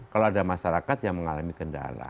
kalau ada masyarakat yang mengalami kendala